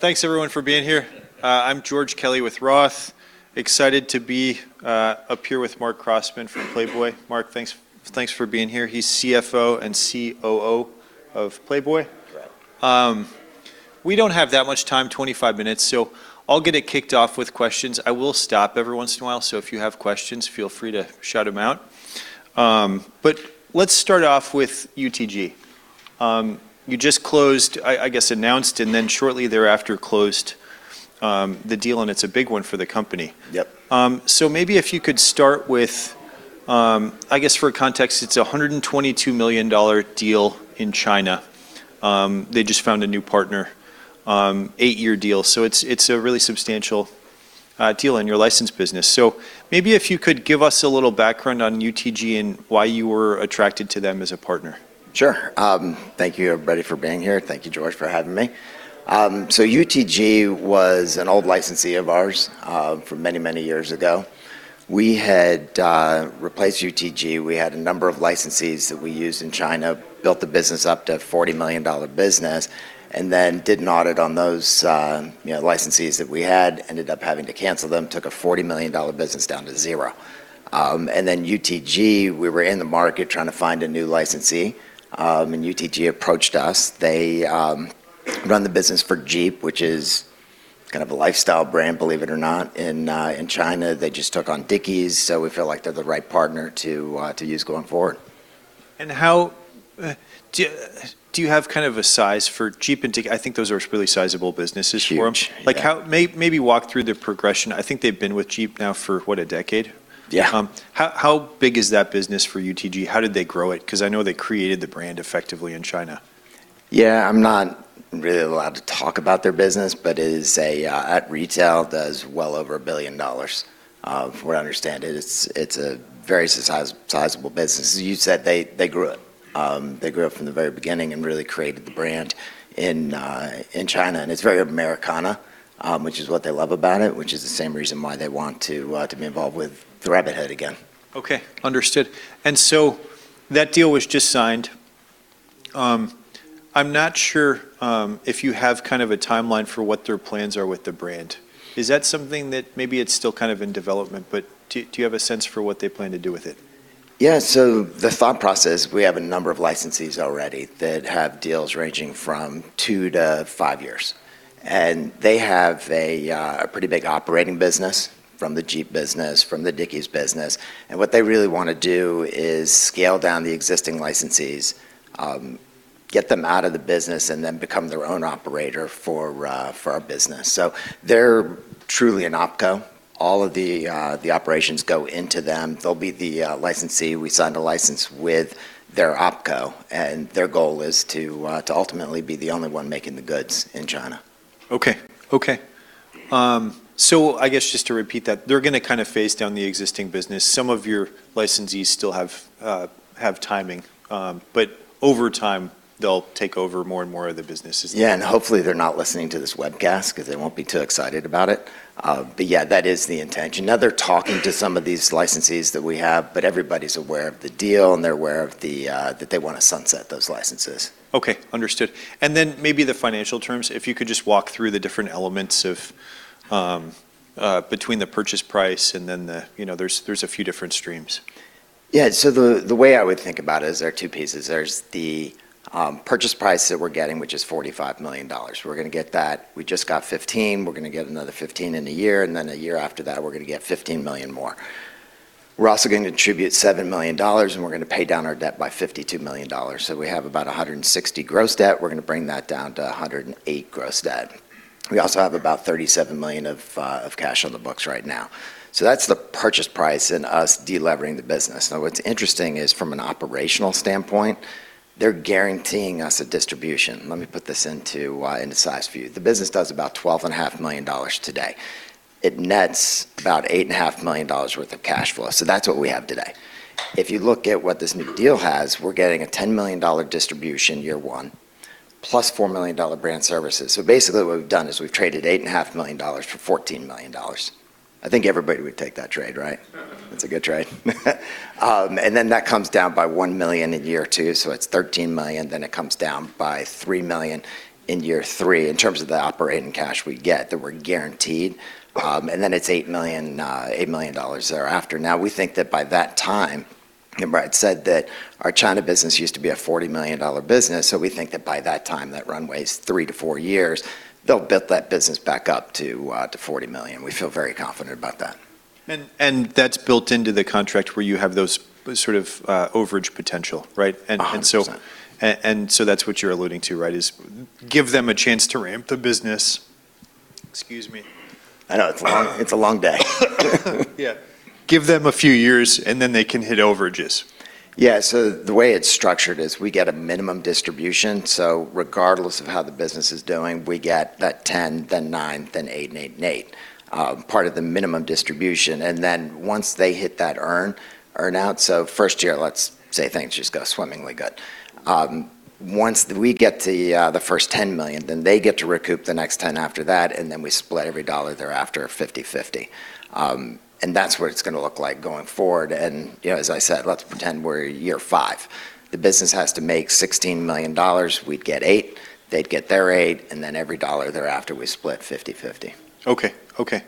Thanks everyone for being here. I'm George Kelly with ROTH. Excited to be up here with Marc Crossman from Playboy. Marc, thanks for being here. He's CFO and COO of Playboy. Right. We don't have that much time, 25 minutes. I'll get it kicked off with questions. I will stop every once in a while, so if you have questions, feel free to shout them out. Let's start off with UTG. You just closed, I guess, announced, and then shortly thereafter closed the deal, and it's a big one for the company. Yep. Maybe if you could start with I guess for context, it's a $122 million deal in China. They just found a new partner. Eight-year deal. It's a really substantial deal in your licensed business. Maybe if you could give us a little background on UTG and why you were attracted to them as a partner. Sure. Thank you everybody for being here. Thank you, George, for having me. UTG was an old licensee of ours from many, many years ago. We had replaced UTG. We had a number of licensees that we used in China, built the business up to a $40 million business. Did an audit on those licensees that we had, ended up having to cancel them, took a $40 million business down to zero. UTG, we were in the market trying to find a new licensee, and UTG approached us. They run the business for Jeep, which is kind of a lifestyle brand, believe it or not. In China, they just took on Dickies. We feel like they're the right partner to use going forward. Do you have kind of a size for Jeep and Dickies? I think those are really sizable businesses for them. Huge. Maybe walk through the progression. I think they've been with Jeep now for, what, a decade? Yeah. How big is that business for UTG? How did they grow it? Because I know they created the brand effectively in China. Yeah. I'm not really allowed to talk about their business, At retail, does well over $1 billion. From what I understand, it's a very sizable business. As you said, they grew it. They grew it from the very beginning and really created the brand in China, it's very Americana, which is what they love about it, which is the same reason why they want to be involved with the Rabbit Head again. Okay, understood. That deal was just signed. I'm not sure if you have kind of a timeline for what their plans are with the brand. Is that something that maybe it's still kind of in development, but do you have a sense for what they plan to do with it? Yeah. The thought process, we have a number of licensees already that have deals ranging from two to five years. They have a pretty big operating business from the Jeep business, from the Dickies business. What they really want to do is scale down the existing licensees, get them out of the business, then become their own operator for our business. They're truly an OpCo. All of the operations go into them. They'll be the licensee. We signed a license with their OpCo, their goal is to ultimately be the only one making the goods in China. Okay. I guess just to repeat that, they're going to kind of phase down the existing business. Some of your licensees still have timing, over time, they'll take over more and more of the businesses. Yeah. Hopefully, they're not listening to this webcast because they won't be too excited about it. Yeah, that is the intention. They're talking to some of these licensees that we have, everybody's aware of the deal, they're aware that they want to sunset those licenses. Okay, understood. Maybe the financial terms, if you could just walk through the different elements between the purchase price and then there's a few different streams. The way I would think about it is there are two pieces. There's the purchase price that we're getting, which is $45 million. We're going to get that. We just got $15 million, we're going to get another $15 million in a year, and then a year after that, we're going to get $15 million more. We're also going to contribute $7 million, and we're going to pay down our debt by $52 million, so we have about $160 million gross debt. We're going to bring that down to $108 million gross debt. We also have about $37 million of cash on the books right now. That's the purchase price and us de-levering the business. What's interesting is from an operational standpoint, they're guaranteeing us a distribution. Let me put this into size for you. The business does about $12.5 million today. It nets about $8.5 million worth of cash flow, so that's what we have today. If you look at what this new deal has, we're getting a $10 million distribution year one, plus $4 million brand services. Basically what we've done is we've traded $8.5 million for $14 million. I think everybody would take that trade, right? That's a good trade. That comes down by $1 million in year two, so it's $13 million, then it comes down by $3 million in year three in terms of the operating cash we get, that we're guaranteed. It's $8 million thereafter. We think that by that time, remember I had said that our China business used to be a $40 million business, so we think that by that time, that runway's three to four years, they'll build that business back up to $40 million. We feel very confident about that. That's built into the contract where you have those sort of overage potential, right? 100%. That's what you're alluding to, right? Is give them a chance to ramp the business. Excuse me. I know, it's a long day. Yeah. Give them a few years, and then they can hit overages. The way it's structured is we get a minimum distribution, regardless of how the business is doing, we get that $10, then $9, then $8, and $8, and $8. Part of the minimum distribution. Once they hit that earn-out. First year, let's say things just go swimmingly good. Once we get to the first $10 million, then they get to recoup the next $10 after that, and then we split every dollar thereafter 50/50. That's what it's going to look like going forward. As I said, let's pretend we're year five. The business has to make $16 million. We'd get $8, they'd get their $8, and then every dollar thereafter, we split 50/50. Okay.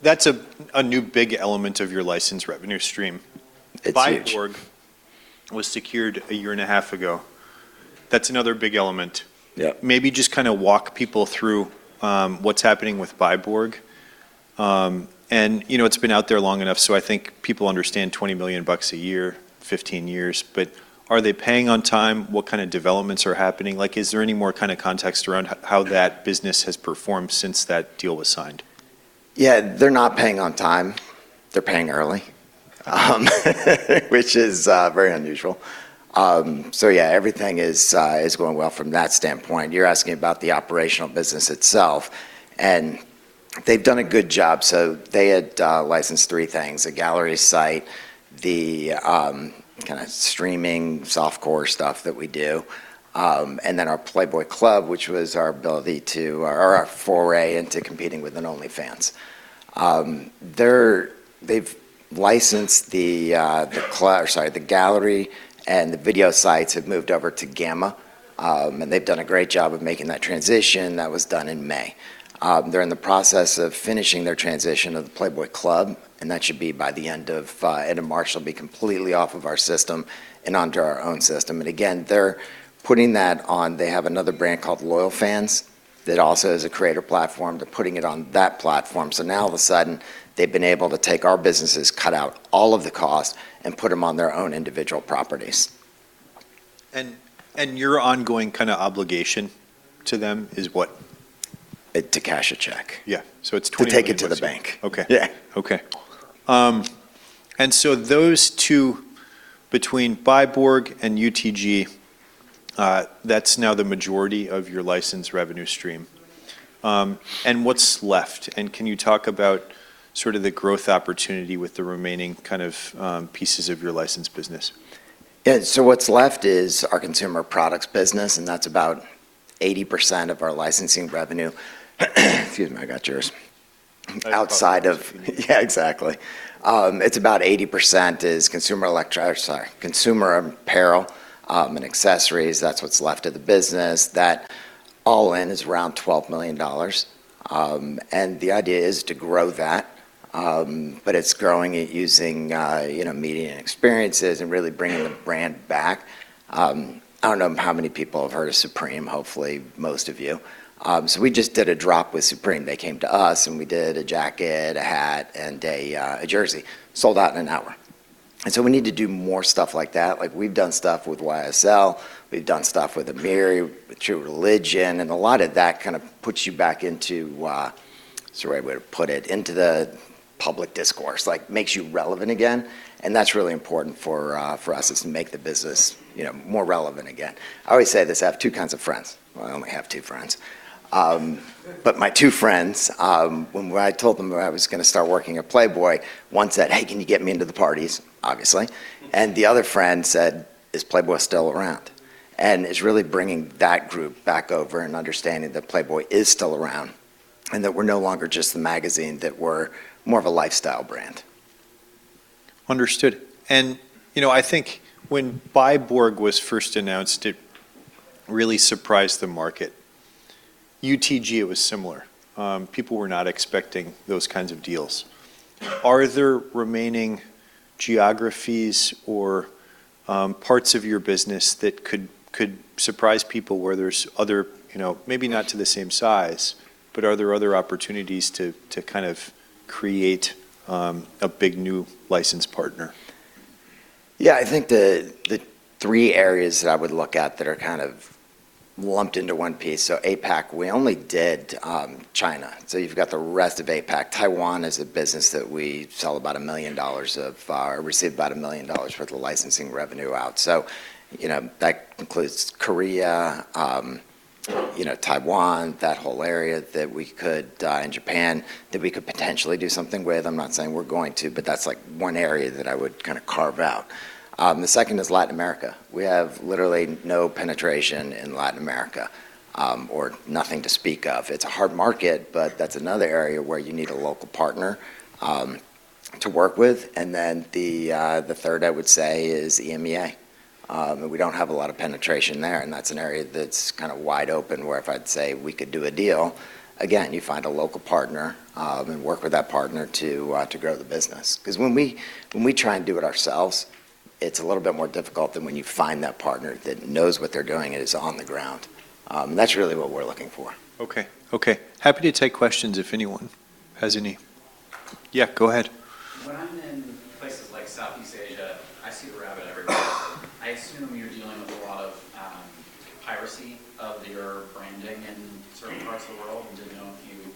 That's a new big element of your license revenue stream. It's huge Was secured a year and a half ago. That's another big element. Yeah. Maybe just walk people through what's happening with Byborg. It's been out there long enough, so I think people understand $20 million a year, 15 years. Are they paying on time? What kind of developments are happening? Is there any more context around how that business has performed since that deal was signed? Yeah. They're not paying on time, they're paying early which is very unusual. Everything is going well from that standpoint. You're asking about the operational business itself, they've done a good job. They had licensed three things, a gallery site, the streaming soft-core stuff that we do, and then our Playboy Club, which was our ability to, or our foray into competing with an OnlyFans. They've licensed, sorry, the gallery and the video sites have moved over to Gamma, they've done a great job of making that transition. That was done in May. They're in the process of finishing their transition of the Playboy Club, that should be by the end of March, it'll be completely off of our system and onto our own system. Again, they're putting that on. They have another brand called LoyalFans that also is a creator platform. They're putting it on that platform. Now all of a sudden, they've been able to take our businesses, cut out all of the cost, put them on their own individual properties. Your ongoing obligation to them is what? To cash a check. Yeah. To take it to the bank okay. Yeah. Okay. Those two, between Byborg and UTG, that's now the majority of your licensed revenue stream. What's left? Can you talk about the growth opportunity with the remaining pieces of your licensed business? Yeah. What's left is our consumer products business, that's about 80% of our licensing revenue. Excuse me. I got yours. I thought- Outside of Yeah, exactly. It's about 80% is consumer apparel and accessories. That's what's left of the business. That all-in is around $12 million. The idea is to grow that, it's growing it using media and experiences and really bringing the brand back. I don't know how many people have heard of Supreme, hopefully, most of you. We just did a drop with Supreme. They came to us, we did a jacket, a hat, and a jersey. Sold out in an hour. We need to do more stuff like that. We've done stuff with YSL, we've done stuff with AMIRI, with True Religion, a lot of that puts you back into, what's the right way to put it? Into the public discourse. Makes you relevant again, that's really important for us, is to make the business more relevant again. I always say this, I have two kinds of friends. Well, I only have two friends. My two friends, when I told them I was going to start working at Playboy, one said, "Hey, can you get me into the parties?" Obviously. The other friend said, "Is Playboy still around?" It's really bringing that group back over and understanding that Playboy is still around, that we're no longer just the magazine, that we're more of a lifestyle brand. Understood. I think when Byborg was first announced, it really surprised the market. UTG, it was similar. People were not expecting those kinds of deals. Are there remaining geographies or parts of your business that could surprise people where there's other, maybe not to the same size, but are there other opportunities to create a big, new license partner? Yeah. I think the three areas that I would look at that are lumped into one piece, APAC, we only did China. You've got the rest of APAC. Taiwan is a business that we sell about $1 million of, or receive about $1 million worth of licensing revenue out. That includes Korea, Taiwan, that whole area that we could, and Japan, that we could potentially do something with. I'm not saying we're going to, but that's one area that I would carve out. The second is Latin America. We have literally no penetration in Latin America, or nothing to speak of. It's a hard market, but that's another area where you need a local partner to work with. The third, I would say, is EMEA. We don't have a lot of penetration there, and that's an area that's wide open where if I'd say we could do a deal, again, you find a local partner, and work with that partner to grow the business. When we try and do it ourselves, it's a little bit more difficult than when you find that partner that knows what they're doing and is on the ground. That's really what we're looking for. Okay. Happy to take questions if anyone has any. Yeah, go ahead. When I'm in places like Southeast Asia, I see Rabbit everywhere. I assume you're dealing with a lot of piracy of your branding in certain parts of the world. I don't know if you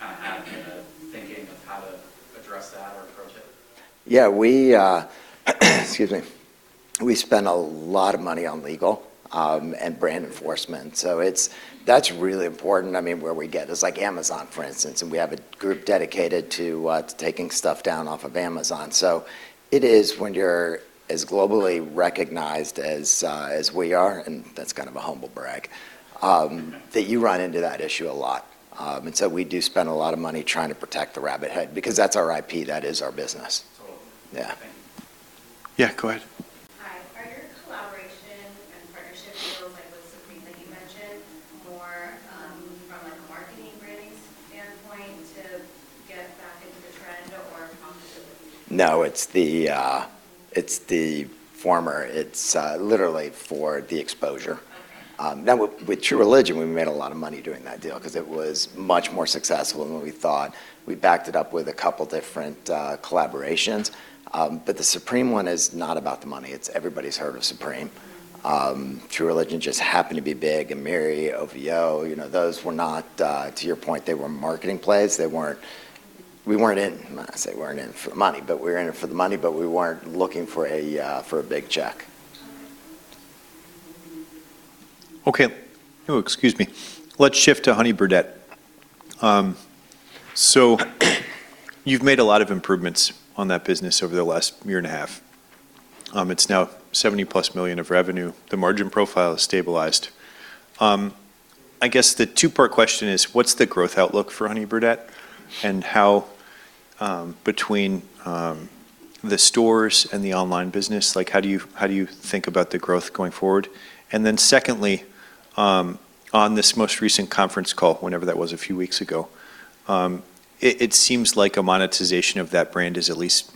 have a way of thinking of how to address that or approach it. Yeah. Excuse me. We spend a lot of money on legal, and brand enforcement. That's really important. Where we get is like Amazon, for instance, we have a group dedicated to taking stuff down off of Amazon. It is when you're as globally recognized as we are, and that's kind of a humble brag, that you run into that issue a lot. We do spend a lot of money trying to protect the Rabbit Head, because that's our IP, that is our business. Totally. Yeah. Thank you. Yeah, go ahead. Hi. Are operation and partnership deals like with Supreme, like you mentioned, more from a marketing branding standpoint to get back into the trend or profitability? No, it's the former. It's literally for the exposure. Okay. With True Religion, we made a lot of money doing that deal because it was much more successful than what we thought. We backed it up with a couple of different collaborations. The Supreme one is not about the money. Everybody's heard of Supreme. True Religion just happened to be big, and Amiri, OVO, To your point, they were marketing plays. I wouldn't say weren't in it for the money, but we were in it for the money, but we weren't looking for a big check. All right. Okay. Oh, excuse me. Let's shift to Honey Birdette. You've made a lot of improvements on that business over the last year and a half. It's now $70 million-plus of revenue. The margin profile has stabilized. I guess the two-part question is, what's the growth outlook for Honey Birdette, and how between the stores and the online business, how do you think about the growth going forward? Secondly, on this most recent conference call, whenever that was, a few weeks ago, it seems like a monetization of that brand is at least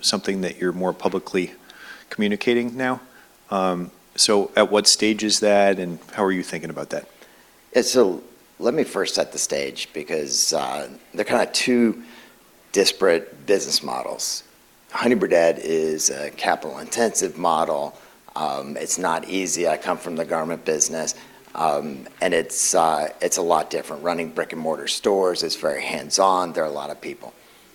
something that you're more publicly communicating now. At what stage is that, and how are you thinking about that? Let me first set the stage because they're kind of two disparate business models. Honey Birdette is a capital-intensive model. It's not easy. I come from the garment business. It's a lot different. Running brick-and-mortar stores is very hands-on. There are a lot of people.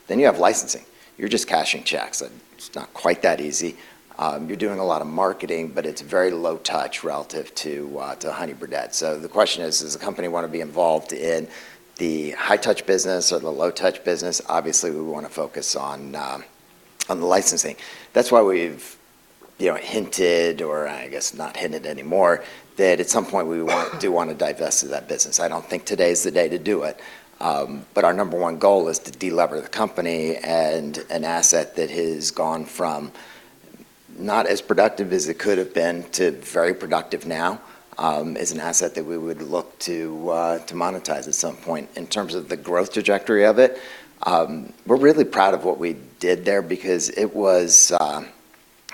You have licensing. You're just cashing checks, and it's not quite that easy. You're doing a lot of marketing, but it's very low touch relative to Honey Birdette. The question is, does the company want to be involved in the high-touch business or the low-touch business? Obviously, we want to focus on the licensing. That's why we've hinted, or I guess not hinted anymore, that at some point we do want to divest of that business. I don't think today's the day to do it, but our number one goal is to de-lever the company and an asset that has gone from not as productive as it could've been to very productive now, is an asset that we would look to monetize at some point. In terms of the growth trajectory of it, we're really proud of what we did there because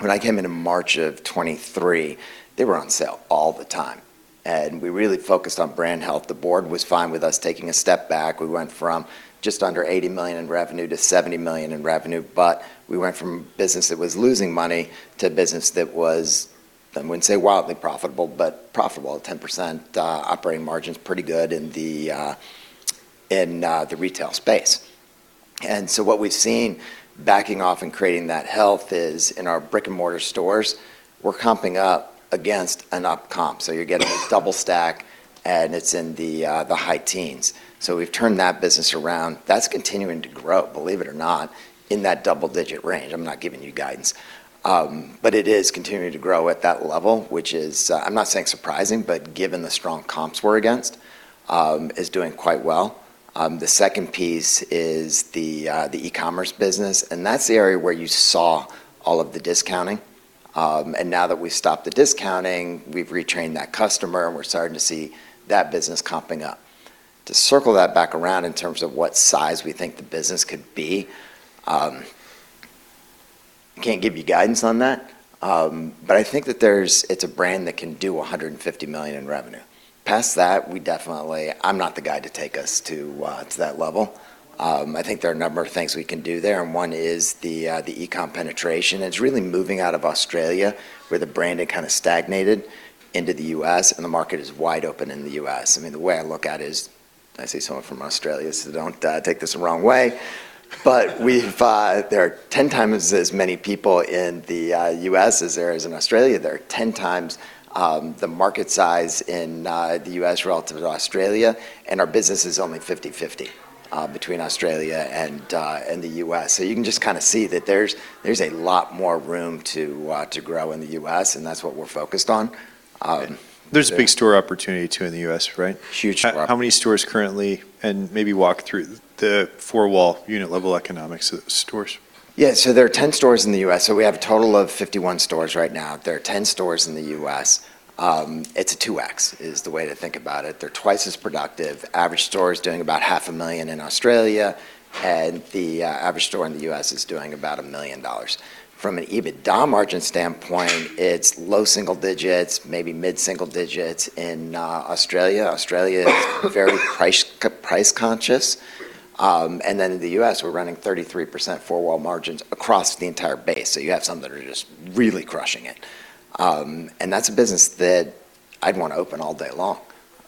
when I came in in March of 2023, they were on sale all the time, and we really focused on brand health. The board was fine with us taking a step back. We went from just under $80 million in revenue to $70 million in revenue, but we went from a business that was losing money to a business that was, I wouldn't say wildly profitable, but profitable. 10% operating margin's pretty good in the retail space. What we've seen backing off and creating that health is in our brick-and-mortar stores, we're comping up against an up comp. You're getting a double stack, and it's in the high teens. We've turned that business around. That's continuing to grow, believe it or not, in that double-digit range. I'm not giving you guidance. It is continuing to grow at that level, which is, I'm not saying surprising, but given the strong comps we're against, is doing quite well. The second piece is the e-commerce business, and that's the area where you saw all of the discounting. Now that we've stopped the discounting, we've retrained that customer, and we're starting to see that business comping up. To circle that back around in terms of what size we think the business could be, I can't give you guidance on that. I think that it's a brand that can do $150 million in revenue. Past that, I'm not the guy to take us to that level. I think there are a number of things we can do there, and one is the e-commerce penetration. It's really moving out of Australia, where the brand had kind of stagnated, into the U.S., and the market is wide open in the U.S. The way I look at it is, I see someone from Australia, so don't take this the wrong way, there are 10 times as many people in the U.S. as there is in Australia. There are 10 times the market size in the U.S. relative to Australia, and our business is only 50/50 between Australia and the U.S. You can just kind of see that there's a lot more room to grow in the U.S., and that's what we're focused on. There's a big store opportunity, too, in the U.S., right? Huge. How many stores currently, and maybe walk through the four-wall unit level economics of the stores. Yeah. There are 10 stores in the U.S., we have a total of 51 stores right now. There are 10 stores in the U.S. It's a 2x, is the way to think about it. They're twice as productive. Average store is doing about half a million in Australia, and the average store in the U.S. is doing about $1 million. From an EBITDA margin standpoint, it's low single digits, maybe mid-single digits in Australia. Australia is very price-conscious. In the U.S., we're running 33% four-wall margins across the entire base. You have some that are just really crushing it. That's a business that I'd want to open all day long.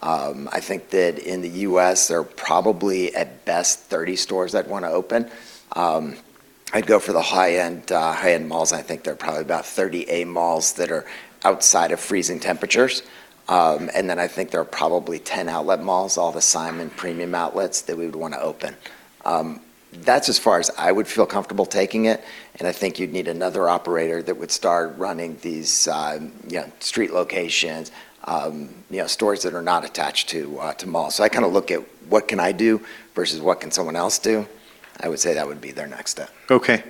I think that in the U.S., there are probably at best 30 stores I'd want to open. I'd go for the high-end malls, I think there are probably about 30 A malls that are outside of freezing temperatures. I think there are probably 10 outlet malls, all the Simon Property Group premium outlets, that we would want to open. That's as far as I would feel comfortable taking it, I think you'd need another operator that would start running these street locations, stores that are not attached to malls. I kind of look at what can I do versus what can someone else do. I would say that would be their next step. Okay.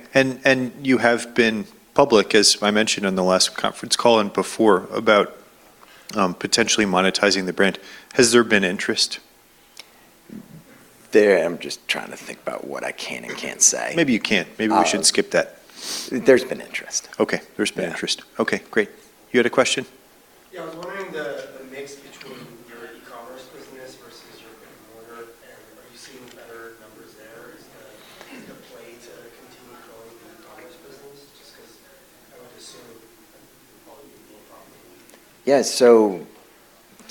You have been public, as I mentioned on the last conference call and before, about potentially monetizing the brand. Has there been interest? There I'm just trying to think about what I can and can't say. Maybe you can't. Maybe we should skip that. There's been interest. Okay. There's been interest. Yeah. Okay, great. You had a question? Yeah. I was wondering the mix between your e-commerce business versus your brick-and-mortar, and are you seeing better numbers there? Is the play to continue growing the e-commerce business? Just because I would assume that would probably be more profitable.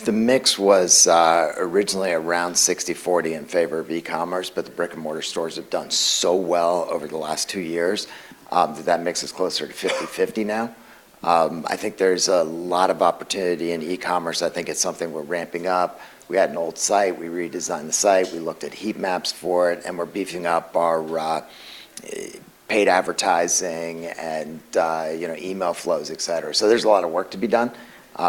The mix was originally around 60/40 in favor of e-commerce, the brick-and-mortar stores have done so well over the last two years, that that mix is closer to 50/50 now. I think there's a lot of opportunity in e-commerce. I think it's something we're ramping up. We had an old site. We redesigned the site. We looked at heat maps for it, and we're beefing up our paid advertising and email flows, et cetera. There's a lot of work to be done.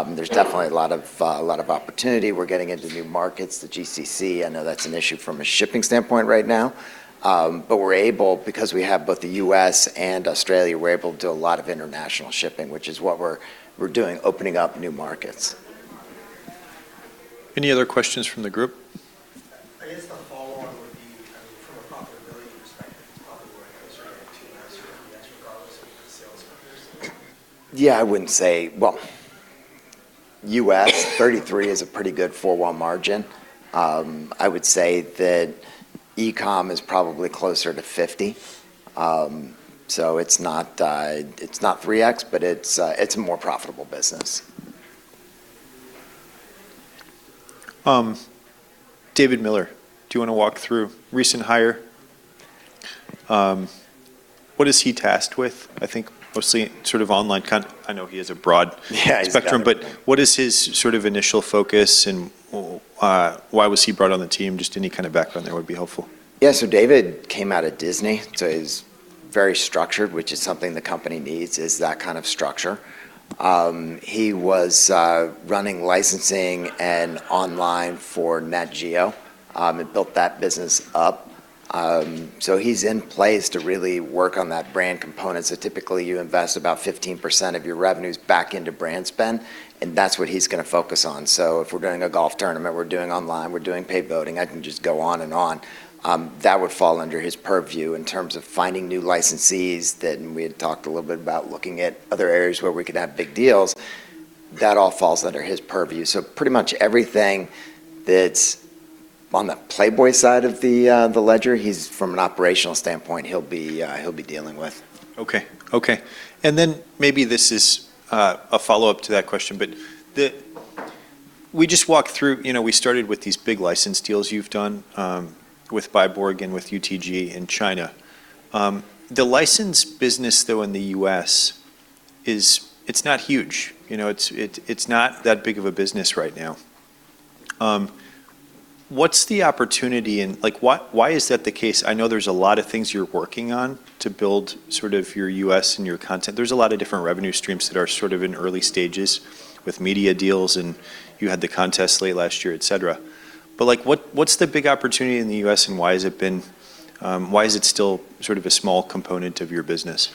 There's definitely a lot of opportunity. We're getting into new markets, the GCC. I know that's an issue from a shipping standpoint right now. We're able, because we have both the U.S. and Australia, we're able to do a lot of international shipping, which is what we're doing, opening up new markets. Any other questions from the group? I guess the follow-on would be from a profitability perspective, probably where those are getting to, I assume, yes, regardless of the sales numbers. I wouldn't say U.S. 33 is a pretty good forward margin. I would say that e-commerce is probably closer to 50. It's not 3X, but it's a more profitable business. David Miller. Do you want to walk through recent hire? What is he tasked with? I think mostly sort of online I know he has a broad he's got spectrum, what is his sort of initial focus, and why was he brought on the team? Just any kind of background there would be helpful. Yeah. David came out of Disney, he's very structured, which is something the company needs, is that kind of structure. He was running licensing and online for Nat Geo, built that business up. He's in place to really work on that brand component. Typically, you invest about 15% of your revenues back into brand spend, that's what he's going to focus on. If we're doing a golf tournament, we're doing online, we're doing paid voting, I can just go on and on. That would fall under his purview in terms of finding new licensees that, and we had talked a little bit about looking at other areas where we could have big deals. That all falls under his purview. Pretty much everything that's on the Playboy side of the ledger, he's from an operational standpoint, he'll be dealing with. Okay. Maybe this is a follow-up to that question, we just walked through, we started with these big license deals you've done, with Byborg and with UTG in China. The license business, though, in the U.S., it's not huge. It's not that big of a business right now. What's the opportunity and why is that the case? I know there's a lot of things you're working on to build sort of your U.S. and your content. There's a lot of different revenue streams that are sort of in early stages with media deals, and you had the contest late last year, et cetera. What's the big opportunity in the U.S. and why is it still sort of a small component of your business?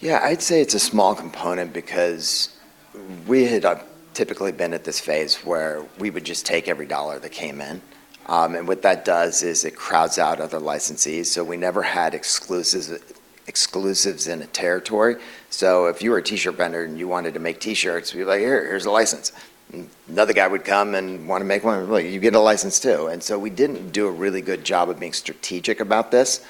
Yeah, I'd say it's a small component because we had typically been at this phase where we would just take every dollar that came in. What that does is it crowds out other licensees, so we never had exclusives in a territory. If you were a T-shirt vendor and you wanted to make T-shirts, we'd be like, "Here's a license." Another guy would come and want to make one. "Well, you get a license, too." We didn't do a really good job of being strategic about this.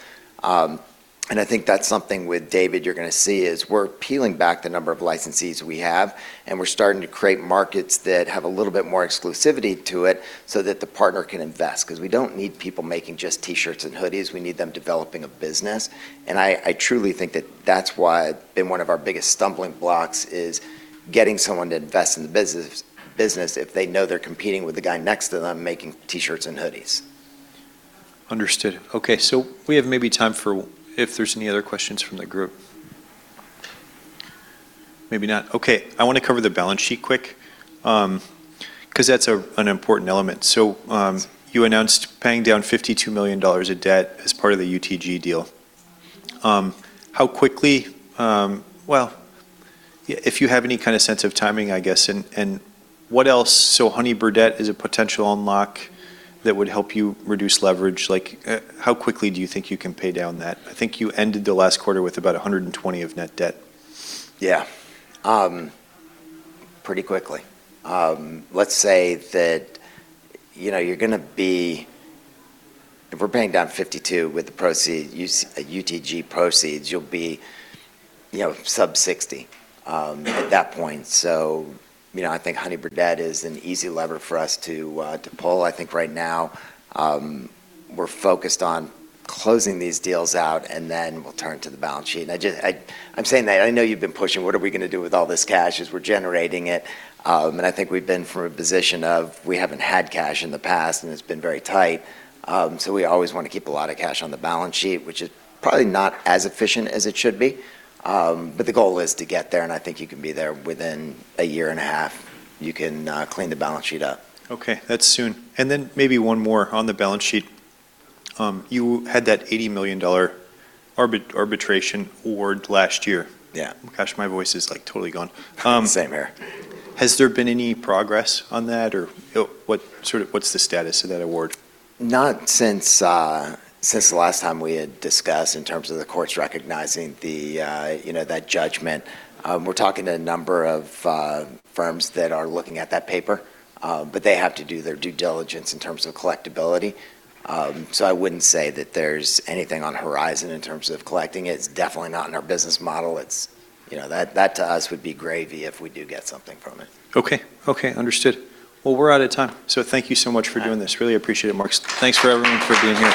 I think that's something with David you're going to see, is we're peeling back the number of licensees we have, and we're starting to create markets that have a little bit more exclusivity to it so that the partner can invest. Because we don't need people making just T-shirts and hoodies, we need them developing a business. I truly think that that's why been one of our biggest stumbling blocks is getting someone to invest in the business if they know they're competing with the guy next to them making T-shirts and hoodies. Understood. Okay, we have maybe time for if there's any other questions from the group. Maybe not. Okay. I want to cover the balance sheet quick, because that's an important element. You announced paying down $52 million of debt as part of the UTG deal. How quickly, if you have any kind of sense of timing, I guess, and what else? Honey Birdette is a potential unlock that would help you reduce leverage. How quickly do you think you can pay down that? I think you ended the last quarter with about $120 of net debt. Yeah. Pretty quickly. Let's say that you're going to be paying down $52 with the UTG proceeds, you'll be sub $60 at that point. I think Honey Birdette is an easy lever for us to pull. I think right now, we're focused on closing these deals out, and then we'll turn to the balance sheet. I'm saying that, I know you've been pushing, what are we going to do with all this cash as we're generating it? I think we've been from a position of we haven't had cash in the past, and it's been very tight. We always want to keep a lot of cash on the balance sheet, which is probably not as efficient as it should be. The goal is to get there, and I think you can be there within a year and a half. You can clean the balance sheet up. Okay. That's soon. Then maybe one more on the balance sheet. You had that $80 million arbitration award last year. Yeah. Gosh, my voice is like totally gone. Same here. Has there been any progress on that, or what's the status of that award? Not since the last time we had discussed in terms of the courts recognizing that judgment. We're talking to a number of firms that are looking at that paper. They have to do their due diligence in terms of collectability. I wouldn't say that there's anything on the horizon in terms of collecting. It's definitely not in our business model. That to us would be gravy if we do get something from it. Okay. Understood. Well, we're out of time. Thank you so much for doing this. Really appreciate it, Marc. Thanks for everyone for being here.